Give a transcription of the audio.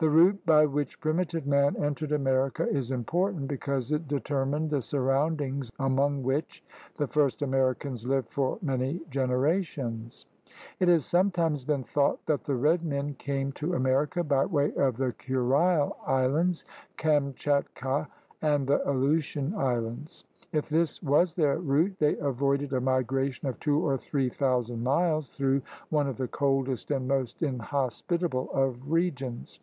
The route by which primitive man entered America is important because it determined the surroundings among which the first Americans lived for many generations. It has sometimes been thought that the red men came to America by way of the Kurile Islands, Kamchatka, and the Aleu tian Islands. If this was their route, they avoided a migration of two or three thousand miles through one of the coldest and most inhospitable of regions.